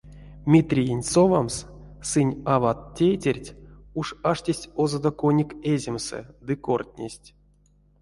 Митриень совамс сынь ават-тейтерть уш аштесть озадо коник эземсэ ды кортнесть.